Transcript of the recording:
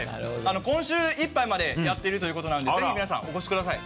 今週いっぱいまでやってるということなんでぜひ皆さんお越しください。